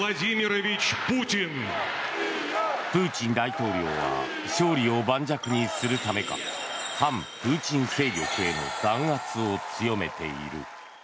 プーチン大統領は勝利を盤石にするためか反プーチン勢力への弾圧を強めている。